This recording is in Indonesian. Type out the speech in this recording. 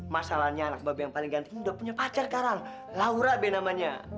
masalahnya anak babe yang paling ganteng ini udah punya pacar sekarang laura be namanya